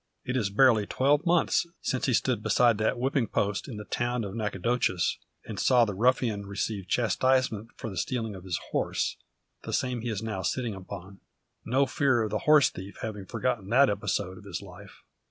It is barely twelve months since he stood beside that whipping post in the town of Nacogdoches, and saw the ruffian receive chastisement for the stealing of his horse the same he is now sitting upon. No fear of the horse thief having forgotten that episode of his life.